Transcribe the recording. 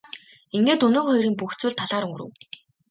Ингээд өнөөх хоёрын бүх зүйл талаар өнгөрөв.